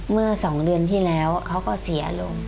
เมื่อ๒เดือนที่แล้วเขาก็เสียลง